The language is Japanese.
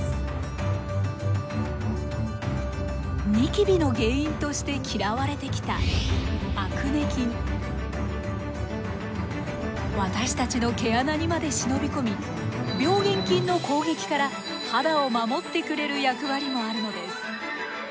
ニキビの原因として嫌われてきた私たちの毛穴にまで忍び込み病原菌の攻撃から肌を守ってくれる役割もあるのです。